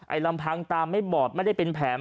ลำพังตาไม่บอดไม่ได้เป็นแผล